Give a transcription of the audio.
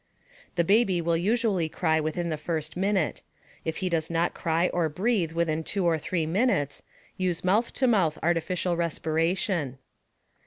The baby will usually cry within the first minute. If he does not cry or breathe within 2 or 3 minutes, use mouth to mouth artificial respiration.